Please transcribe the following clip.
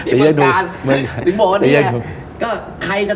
เหรอฮะตรียังบางการ